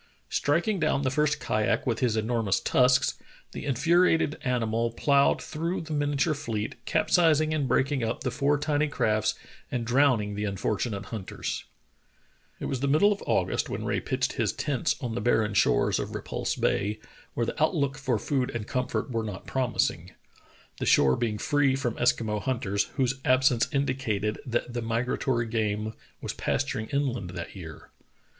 Striking down the first kayak with his enormous tusks, the in furiated animal ploughed through the miniature fleet, capsizing and breaking up the four tiny crafts and drowning the unfortunate hunters. Dr. Rae and the Franklin Mystery 141 It was the middle of August when Rae pitched his tents on the barren shores of Repulse Bay, where the outlook for food and comfort were not promising — the 90* W / \S0UTHAMP>«M Boothia and Melville Peninsulas. shore being free from Eskimo hunters, whose absence indicated that the migratory game was pasturing in land that year.